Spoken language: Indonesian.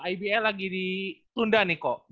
ibl lagi ditunda nih kok